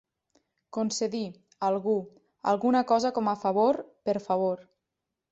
Concedir, algú, alguna cosa com a favor, per favor.